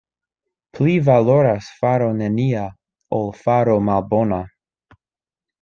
Pli valoras faro nenia, ol faro malbona.